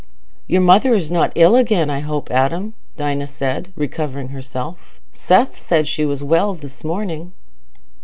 "Your mother is not ill again, I hope, Adam?" Dinah said, recovering herself. "Seth said she was well this morning."